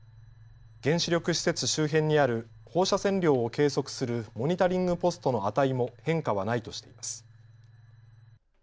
原子力施設周辺にある放射線量を計測するモニタリングポストの値も変化はないとしています。